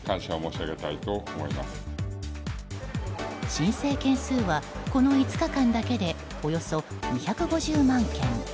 申請件数はこの５日間だけでおよそ２５０万件。